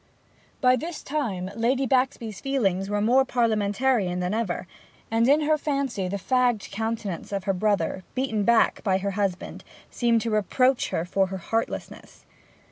By this time Lady Baxby's feelings were more Parliamentarian than ever, and in her fancy the fagged countenance of her brother, beaten back by her husband, seemed to reproach her for heartlessness.